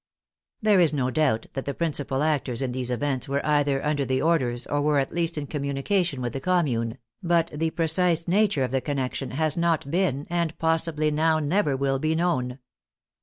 There is no doubt that the principal actors in these events were either under the orders, or were at least in communication with the Commune, but the precise nature of the connection has not been, and possibly now never will be, known.